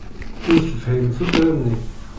Ur tefhim tuttra-nni.